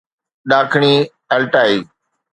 ڏاکڻي Altai